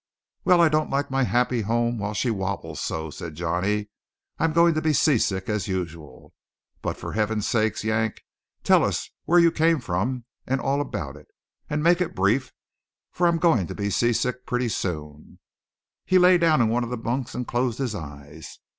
"Well, I don't like my happy home while she wobbles so," said Johnny. "I'm going to be seasick, as usual. But for heaven's sake, Yank, tell us where you came from, and all about it. And make it brief, for I'm going to be seasick pretty soon." He lay down in one of the bunks and closed his eyes.